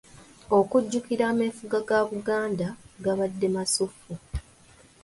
Okujjukira ameefuga ga Buganda gabadde masuffu.